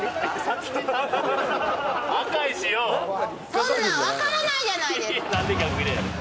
そんなん分からないじゃないですか！